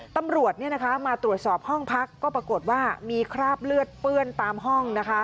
ตำรวจมาตรวจสอบห้องพักก็ปรากฏว่ามีคราบเลือดเปื้อนตามห้องนะคะ